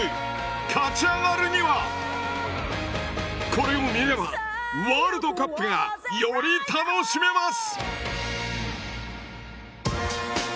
これを見ればワールドカップがより楽しめます。